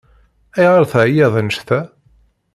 Ayɣer teɛyiḍ annect-a?